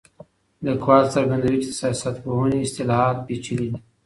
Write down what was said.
ليکوال څرګندوي چي د سياستپوهني اصطلاحات پېچلي دي.